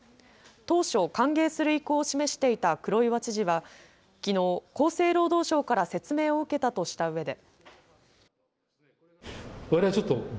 当初、歓迎する意向を示していた黒岩知事はきのう厚生労働省から説明を受けたとしたうえで。